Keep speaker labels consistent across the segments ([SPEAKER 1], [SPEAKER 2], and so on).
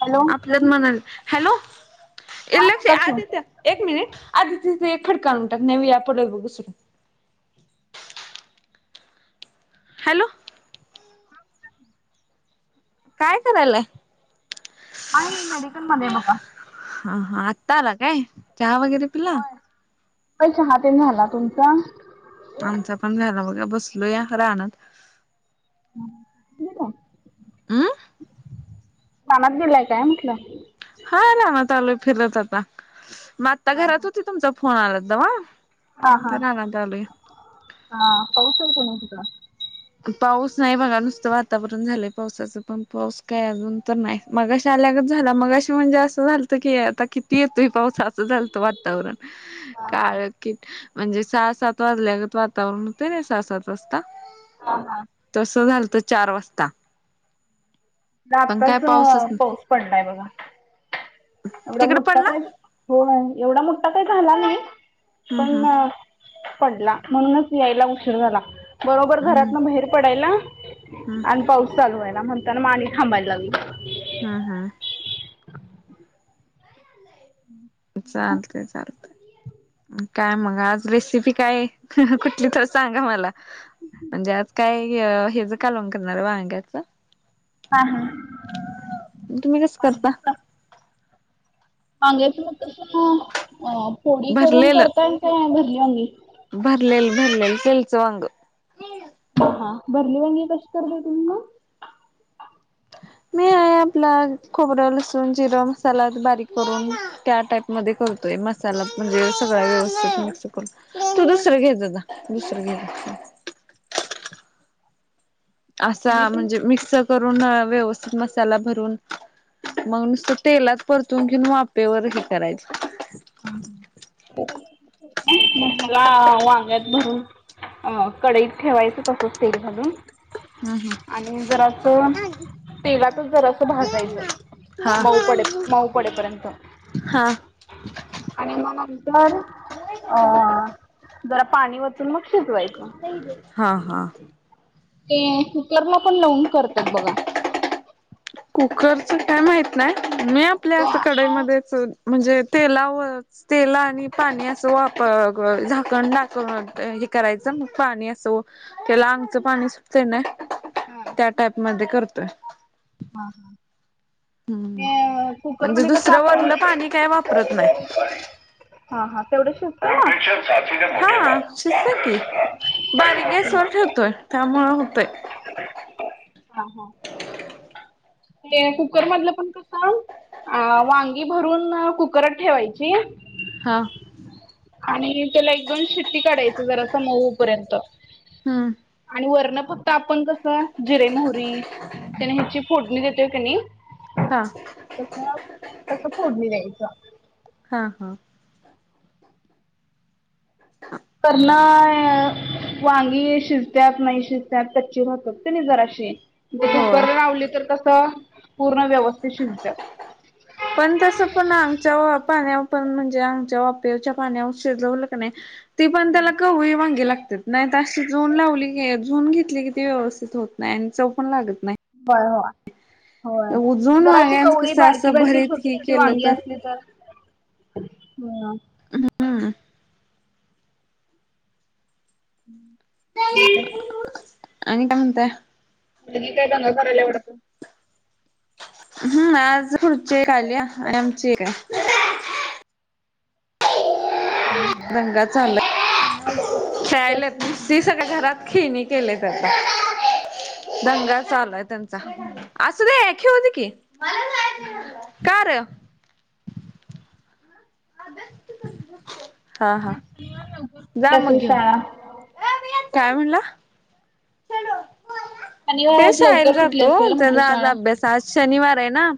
[SPEAKER 1] Hello
[SPEAKER 2] आपलंत म्हणाल hello इ
[SPEAKER 1] हा
[SPEAKER 2] लक्ष
[SPEAKER 1] बोला की
[SPEAKER 2] आधी एक मिनिट आधी तिथ एक फडकान म्हणतात नवी या आपढ बघू शत हॅलो काय करायलाय
[SPEAKER 1] आहे मेडिकल मध्ये बघा
[SPEAKER 2] हा हा आताला काय चहा वगैरे पिला
[SPEAKER 1] ताई चहा पिऊन झाला तुमचा!
[SPEAKER 2] आमचा पण बघा बसलो. या रानात
[SPEAKER 1] [unintelligible] ग
[SPEAKER 2] हम्
[SPEAKER 1] रानात गेलाय काय म्हटलं
[SPEAKER 2] हा ना मग चालूय फिरत आता मग आता
[SPEAKER 1] हा
[SPEAKER 2] घरात होती. तुमचा फोन आला तवा
[SPEAKER 1] हा
[SPEAKER 2] रानात आलोय
[SPEAKER 1] हा पाऊस आहे काय कोणीची का [unintelligible]
[SPEAKER 2] पाऊस नाही बघा नुसतं वातावरण झालंय पावसाचं पण पाऊस काय अजून तर नाही. मगाश आल्यागच झाला. मग अशी म्हणजे असं झालत की आता किती येतोय पावसात चालत वातावरण काळ कि म्हणजे सहा सात वाजल्या वातावरण होते. ना सहा सात वाजता
[SPEAKER 1] हा हा
[SPEAKER 2] तस झालत चार वाजता पण काय
[SPEAKER 1] आताच
[SPEAKER 2] पाऊसच नाही
[SPEAKER 1] पाऊस पडलाय बघा एवढा
[SPEAKER 2] तिकड
[SPEAKER 1] मोठठा
[SPEAKER 2] पडला
[SPEAKER 1] काय हो नाही एवढा मोठा काही झाला नाही
[SPEAKER 2] हम्म हम्म
[SPEAKER 1] पण पडला म्हणूनच यायला उशीर झाला बरोबर
[SPEAKER 2] हम्म
[SPEAKER 1] घरातन बाहेर पडायला
[SPEAKER 2] हम्म
[SPEAKER 1] आणि पाऊस चालू आहे ना म्हणताना आणि थांबायला लागली
[SPEAKER 2] हम्म हम्म
[SPEAKER 1] हम्म
[SPEAKER 2] चालते चाल काय मग आज रेसिपी काय कुठली तर सांगा. मला म्हणजे आज काय हेच कालवण करणार आहे. वांग्याच
[SPEAKER 1] हा हा
[SPEAKER 2] तुम्ही कसं करता?
[SPEAKER 1] का वांग्याची मग तसं फोडी करून करता का भरली वांगी
[SPEAKER 2] बरलेल बरलेल सेल्स वांग
[SPEAKER 1] हा हा भरली वंगी कशी करते. तुम्ही मग
[SPEAKER 2] मी आहे आपला खोबरं लसून जिरा मसाला बारीक करून त्या टाईप मध्ये करतोय मसाला म्हणजे सगळ व्यवस्थित तू दुसरं घेत दुसरं घेत असा
[SPEAKER 1] मी पण
[SPEAKER 2] म्हणजे मिक्स करून व्यवस्थित मसाला भरून मग नुसतं तेलात परतून घेऊन वापेवर हे करायचं
[SPEAKER 1] हा मसाला वांग्यात भरून अ कडईत ठेवायचं तसंच तेल घालून
[SPEAKER 2] हम्म हम्म.
[SPEAKER 1] आणि जरा अस तेलातच जरास भाजायचं
[SPEAKER 2] हा
[SPEAKER 1] मऊ पडे मऊ पडेपर्यंत
[SPEAKER 2] हा
[SPEAKER 1] आणि मग नंतर अ जरा पाणी वचून मग शिजवायचं
[SPEAKER 2] हा हा
[SPEAKER 1] ते कुकरला पण लवन करतात. बघा
[SPEAKER 2] कुकरच काय माहित नाही. मी आपल्या
[SPEAKER 1] म्हणजे
[SPEAKER 2] असं
[SPEAKER 1] हा
[SPEAKER 2] कढाईमध्येच म्हणजे तेलावर तेला आणि पाणी असं वापर झाकण टाकव हे करायचं मग पाणी असं त्याला अंगच पाणी सुटत ना त्या टाईप म करतोय.
[SPEAKER 1] हा हा
[SPEAKER 2] हम्म
[SPEAKER 1] म कुकर
[SPEAKER 2] म्हणजे
[SPEAKER 1] म्ह कस
[SPEAKER 2] दुसरं
[SPEAKER 1] आपण
[SPEAKER 2] वरलं पाणी काय वापरत नाही
[SPEAKER 1] [inaudible] हा हा तेवढ्यात शिजतय.
[SPEAKER 2] हा शिसत की बारीक गेसवर ठेवतोय त्यामुळे होतंय.
[SPEAKER 1] हा हा ते कुकर मधलं पण कस अ वांगी भरून कुकरात ठेवायची!
[SPEAKER 2] हां
[SPEAKER 1] आणि त्याला एक दोन शिट्टी काढायची जरा अस मऊ पर्यंत
[SPEAKER 2] हम्म
[SPEAKER 1] आणि वर्ण फक्त तर आपण कस जिरे मोहरी त्याने ह्याची फोडणी देतोय कनी
[SPEAKER 2] हा
[SPEAKER 1] तस तसं फोडणी द्यायचं.
[SPEAKER 2] हा हा ह
[SPEAKER 1] करना वांगी शिजतत नाही शिजत्यात कच्ची राहतात ते नाही जराशी म्हणजे
[SPEAKER 2] होय
[SPEAKER 1] कुकर लावली तर तसं पूर्ण व्यवस्थित शिजत
[SPEAKER 2] पण तसं पण आंगच्या पाण्यावर पण म्हणजे आंगच्या बापेच्या पाण्यावर शिजवल की नाही. ती पण त्याला कवळी वांगे लागते नाहीत. अशी शिजवून लावली की शिजवून घेतली किती व्यवस्थित होत नाही आणि चव पण लागत नाही.
[SPEAKER 1] होय हो होय
[SPEAKER 2] उजून
[SPEAKER 1] जराशी
[SPEAKER 2] वांग्यांच
[SPEAKER 1] कवळी
[SPEAKER 2] कसं
[SPEAKER 1] बारकी
[SPEAKER 2] असं
[SPEAKER 1] बारकी
[SPEAKER 2] भरीत
[SPEAKER 1] छोटी
[SPEAKER 2] हे
[SPEAKER 1] छोटी
[SPEAKER 2] केलं
[SPEAKER 1] वांगी असली तर हम
[SPEAKER 2] हा
[SPEAKER 1] ते
[SPEAKER 2] आणि काय म्हणतय?
[SPEAKER 1] म्हण काय ब करायला आवडतं [inaudible]
[SPEAKER 2] हम्म आज पुढची
[SPEAKER 1] मुलगी काय
[SPEAKER 2] आली
[SPEAKER 1] दंगा
[SPEAKER 2] आणि
[SPEAKER 1] करत नाही
[SPEAKER 2] आमची
[SPEAKER 1] ना
[SPEAKER 2] एक आहे. दंगा चालोय, खेळायला, नुसती सर्व घरात खेळणी.. केलंय त्याचा दंगा चालूय त्यांचा अस द होत की कर [inaudible] हा हा जा
[SPEAKER 1] सुटली
[SPEAKER 2] मग
[SPEAKER 1] असेल
[SPEAKER 2] घेऊन
[SPEAKER 1] शाळा
[SPEAKER 2] काय म्हणला
[SPEAKER 1] शनिवार
[SPEAKER 2] ते
[SPEAKER 1] आज
[SPEAKER 2] शायला
[SPEAKER 1] लवकर सुटली
[SPEAKER 2] जातो
[SPEAKER 1] असेल म्हटलं
[SPEAKER 2] त्याचा आज
[SPEAKER 1] शाळा
[SPEAKER 2] अभ्यास आज शनिवार आहे ना,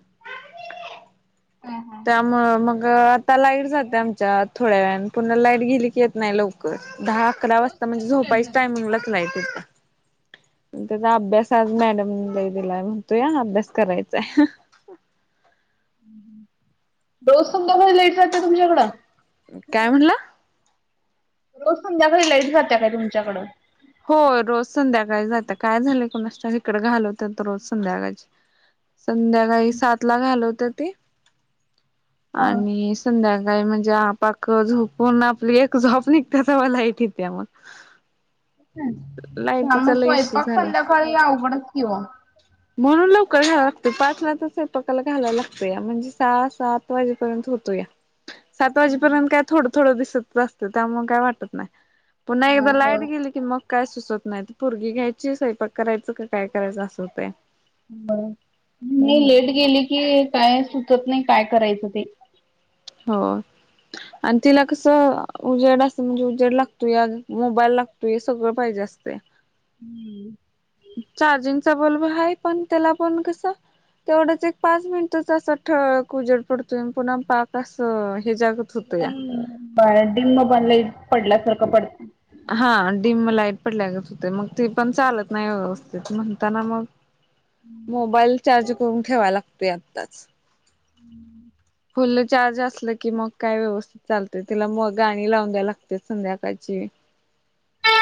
[SPEAKER 1] हा हा
[SPEAKER 2] त्यामु मग आता लाईट जाते आमच्या थोड्या वेळने पनण लाईट गेली की येत नाही लवकर दहा अकरा वाजता म्हणजे झोपाईच टायमिंगलाच लाइट येतंय. त्याचा अभ्यास आज मॅडम दिलाय म्हणतो या अभ्यास करायचाय.
[SPEAKER 1] रोज संध्याकाळी लईट जाते तुमच्याकडं
[SPEAKER 2] काय म्हणला?
[SPEAKER 1] रोज संध्याकाळी लाईट जात्या काय तुमच्याकडं
[SPEAKER 2] होय रोज संध्याकाळी जातं काय झालं कोणा इिकडें घालवत तर रोज संध्याकाळ संध्याकाळी सात ला घाल होत ते
[SPEAKER 1] ह
[SPEAKER 2] आणि संध्याकाळी काय म्हणजेक झोपून आपली एक झोप निघते तर मला तथे
[SPEAKER 1] त्या मग
[SPEAKER 2] लय इश्यू
[SPEAKER 1] स्वयंपाक
[SPEAKER 2] झालाय.
[SPEAKER 1] संध्याकाळी अवघडच ठेऊ
[SPEAKER 2] म्हणून लवकर घ्यायला लातो पाचला तसे पकायला घालायला लागतो या म्हणजे सहा सात वाजेपर्यंत होतो या सात वाजेपर्यंत काय थोडं थोडं दिसत असतं त्यामु काय वाटत नाही पुन्हा
[SPEAKER 1] हा
[SPEAKER 2] एकदा
[SPEAKER 1] हो
[SPEAKER 2] लाईट गेली की मग काय सुचत नाही पुरगी घ्यायची स्वयपाक करायचं का काय करायचं असवतय
[SPEAKER 1] ब नाही लेट गेली की काय सुचत नाही काय करायचं ते
[SPEAKER 2] हो आणि तिला कसं उजेड असत म्हणजे उजेड लागतो या मोबाईल लागतो हे सगळं पाहिजे असते
[SPEAKER 1] हम्म
[SPEAKER 2] चार्जिंगचा बल्ब आहे पण त्याला पण कस तेवढंच एक पाच मिनिटच असं ठ कुजड पडतो पुन्हा पाक असं हे जाग
[SPEAKER 1] एकदम बडन म बनला पडल्यासारखं पड
[SPEAKER 2] हा डडीम लाईट पडल्यागत होते मग ते पण चालत नाही व्यवस्थित म्हणताना मग मोबाईल चार्ज करून ठेवा लागतोय आत्ताच
[SPEAKER 1] हम्म
[SPEAKER 2] फुल चार्ज असल की मग काय व्यवस्थित चालते तिला म गाणी लावून द्यायला लागते संध्याकाळची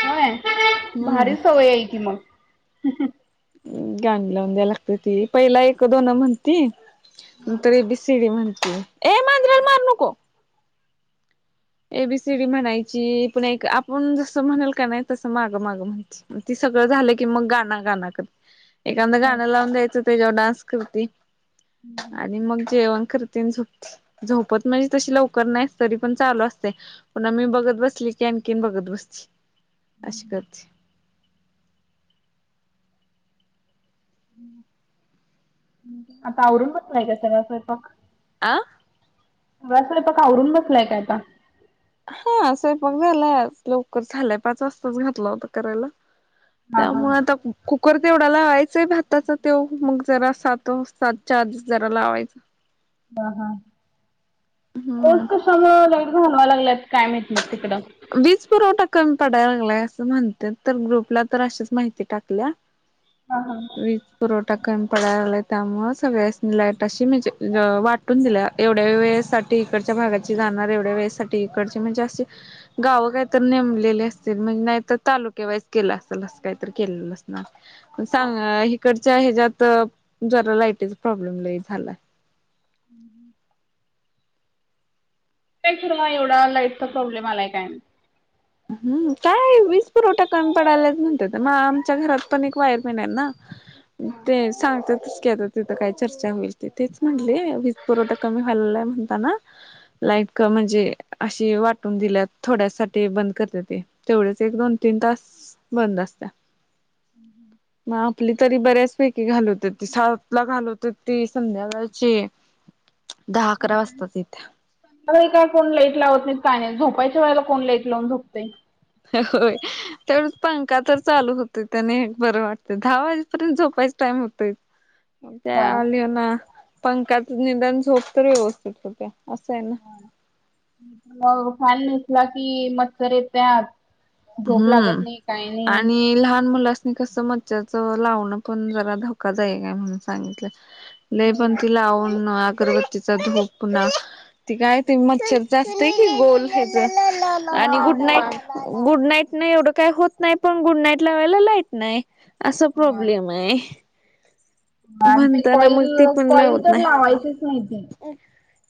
[SPEAKER 1] होय
[SPEAKER 2] हम्म
[SPEAKER 1] भारी सवय याय त मग
[SPEAKER 2] गां लावून द्याय लागते ती पहिला एक दोन म्हणती नंतर ए बी सीडी म्हण ए मांजिराला मारनको एबीसीडी म्हणायची पुण एक आपण जसं म्हणेल का नाही तसं मागं मागं माहिती ती सगळं झालं की मग गाण गाना क एखादा गाणं लावून द्यायचं ते जेव्हा डान्स करती आणि मग जेवण करतील झोप झोपत म्हणजे तशी लवकर नाही तरी पण चालू असत पु्हा मी बघत बसली की आणखीन बघत बसची अे करते
[SPEAKER 1] आता आवरून बसलाय का सगळळा स्वयंपाक
[SPEAKER 2] आ
[SPEAKER 1] असंय प आवरून बसलाय काय आता
[SPEAKER 2] हा असय पग झालंय लवकर झालंय पाच वाजताच घातलं होता करायला
[SPEAKER 1] हा हा
[SPEAKER 2] त्यामुळे आता कुकर तेवढा लावायचांय भाताचा तेव मग जरा सात सात चार दिस जरा लावायच
[SPEAKER 1] ह हा रोज
[SPEAKER 2] हम्म
[SPEAKER 1] कसा मग लग घालवाय लागलंत काय माहत मग तिकडं
[SPEAKER 2] वीज पुरवठा कमी पडायला लागलाय असं म्हणते तर ग्रुपला तर अशीच माहिती टाकल्या
[SPEAKER 1] ह हा
[SPEAKER 2] वीज पुरवठा कमी पडलाय त्यामु सगळ्या लाईट अशी म्हणजे वाट कुटून दिल्या एवढ्या वेळेसाठी इकडच्या भागाची जाणार एवढ्या वेळेसाठी इकडचे म्हणजे असशी गावं काहीत नेमलेली असतील म्हणजे नाहीतर तालुक्यावाईज केलं असेल असं काहीतरी केलेलं अस ना सांग इिकडच्या ह्याच्यात जरा लाईटीचा प्रॉब्लेम झाला
[SPEAKER 1] ह कायर एवढा लाईटचा प्रॉब्लेम आलाय काय
[SPEAKER 2] हम् काय वीस पुरवठा कमी पडलाच म्हणते मग आमच्या घरात पण एक वायर पेन ना ते सांगतात तस का आता तिथं काय चर्चा होईल तथच म्हणले वीज पुरवठा कमी व्हायलाय म्हणताना लाईट म्हणजे अशी वाटून दिल्या थोड्यासाठीठी बंद करते ते तेवढेच एक दोन तीन तास बंद असते मग आपली तरी बऱ्याचपैकी घालवत सातला घालवते ती संध्याकाळची दहा अकरा वाजता इथे
[SPEAKER 1] का कोण लेट लावत नाही काय नाही झोपायच्या वेळेला कोण लेट लावून झोपते.
[SPEAKER 2] हो. तेवढच पंखा तर चालू होते त्याने बरं वाटत दहा वाजेपर्यंत झोपायचा टाइम होतय. ह. त्या
[SPEAKER 1] बर
[SPEAKER 2] आली ना पंखाच निदान झोप तर व्यवस्थित होत्या असं आहे ना.
[SPEAKER 1] फानसला कि मच्छर येतत.
[SPEAKER 2] हम्म आणि लहान मुला अस. म कस मच्छचं लावण पण जरा धोका जाई काय म्हणून सांगितलं. ल
[SPEAKER 1] होय
[SPEAKER 2] पण ति लावून अगरबत तिचा धूप पुन्हा त काय त मच्छर जास्त आहे की गोल. च आणि
[SPEAKER 1] होय.
[SPEAKER 2] Good night.
[SPEAKER 1] होय.
[SPEAKER 2] गुड नाईट नाही एवढं काय होत नाही पण गुड नाईट ला वेळेला लाईट नाही. असा
[SPEAKER 1] होय.
[SPEAKER 2] प्रॉब्लेम आहे.
[SPEAKER 1] आणि ते
[SPEAKER 2] म्हणताना
[SPEAKER 1] कॉईल
[SPEAKER 2] मग ती पण ल
[SPEAKER 1] कॉईल
[SPEAKER 2] होत
[SPEAKER 1] तर लावायचीच ती.
[SPEAKER 2] नाही.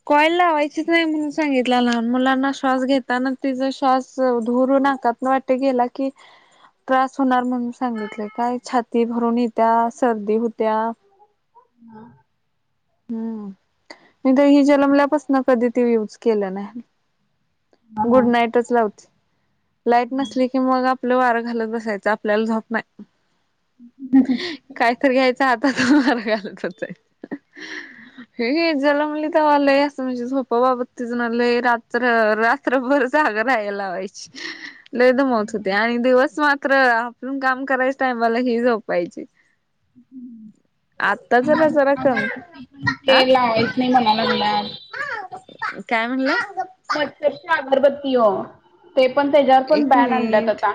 [SPEAKER 2] कॉयल लावायचीच नाही म्हणून सांगितलं लहान मुलांना श्वास घेताना तिचा श्वास धुरू नका. न वाट गेला की त्रास होणार म्हणून सांगितलेय काय छाती भरून येत्या सर्दी होत्या.
[SPEAKER 1] हा.
[SPEAKER 2] हम्म म तर हि जन्मल्यापासन कधी ते युज केलं नाही.
[SPEAKER 1] हा हा.
[SPEAKER 2] गुड नाईटच लावते लाईट नसली की मग. आपलं वारं घालत बसायच आपल्याला झोप नाही. कायतरी घ्यायचं आता त मार घालतच आहे. हे जला मुलीि त्यावालंय असं म्हणजे झोपा बाबत तिजलंय रात. रात्रभर जागं राहायलावायची. लेदमत होते आणि दिवस मात्र आपून काम करायचं टाय मला हे झपायचे.
[SPEAKER 1] गर
[SPEAKER 2] जरा कमी
[SPEAKER 1] अगरबत् पण ते
[SPEAKER 2] आ
[SPEAKER 1] लावायच नाही म्हणालागल्या.
[SPEAKER 2] काय म्हणलं.
[SPEAKER 1] मच्छरची अगरबत्ती हो ते पण त्याच्यावर
[SPEAKER 2] एक
[SPEAKER 1] पण बॅन आणल्यात
[SPEAKER 2] मिनिट
[SPEAKER 1] आता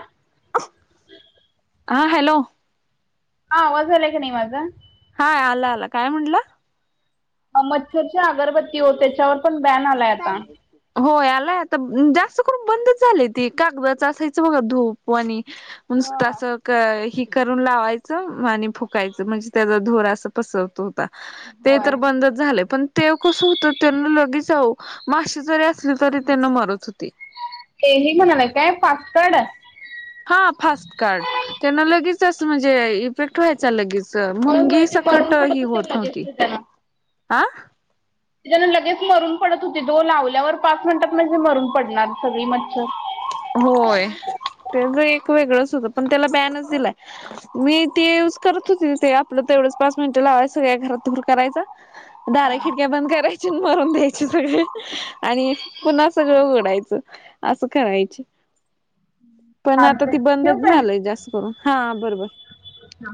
[SPEAKER 2] हा हॅलो.
[SPEAKER 1] हा वझले का निवाज
[SPEAKER 2] हाय आलं आला काय म्हटलं.
[SPEAKER 1] मच्छरची अगरबत्ती हो त्याच्यावर. पण बॅन आलाय आता.
[SPEAKER 2] सुकारारीेस. हो आलाय आता जास्त करून बंदच झालंय ते कागदाच असायचं बघा धूप. णी तचं ह. करून लावायचं आणि फुकायचं म्हणजे त्याचा धोर असं पसरतो. ते तर
[SPEAKER 1] होय.
[SPEAKER 2] बंदच झाले पण ते कस होत त्यांना लगेच जा. माशी जरी असली तरी त्यांना मरत होती.
[SPEAKER 1] एही म्हणालागे काय फस्कड.
[SPEAKER 2] हा फास्ट कार्ड त्यांना लगेच असं म्हणजे फेक्ट व्हायचा लगेच
[SPEAKER 1] होय होय
[SPEAKER 2] मुंगी
[SPEAKER 1] ते मरून
[SPEAKER 2] सकट ही
[SPEAKER 1] पडत होते
[SPEAKER 2] होत
[SPEAKER 1] लगेच
[SPEAKER 2] नव्हती हा.
[SPEAKER 1] च्यान लगेच मरून पडत होती जो लावल्यावर पाच मिनिटात म्हणजे मरून पडणार सगळी मच्छर.
[SPEAKER 2] होय ते तर एक वेगळंच होत पण त्याला बॅनच दिलाय. मी ते यूज करत होते ते आपलं तेवढंच पाच मिनटं लावाय सगळ्या घरातर करायचा. दारा खिडक्या बंद करायची मरून द्यायची सगळे आणि. पुन्हा सगळं उडायचं असं. करायची पण आता ती
[SPEAKER 1] चालतंय ठेवू
[SPEAKER 2] बंदच
[SPEAKER 1] काय?
[SPEAKER 2] झालय जास्त करून हा बरोबर.
[SPEAKER 1] हा.